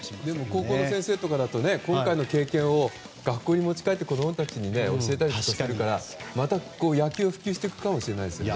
高校の先生とかだと今回の経験を学校に持ち帰って子供たちに教えたりするでしょうからまた野球が普及していくかもしれませんよね。